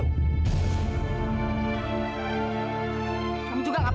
kamu ingin padahal alami ataupun mereka